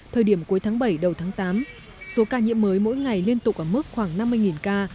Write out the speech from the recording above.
thời điểm cuối tháng bảy đầu tháng tám số ca nhiễm mới mỗi ngày liên tục ở mức khoảng năm mươi ca